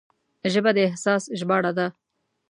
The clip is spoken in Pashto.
ژبه د احساس ژباړه ده